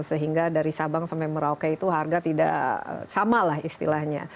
sehingga dari sabang sampai merauke itu harga tidak sama lah istilahnya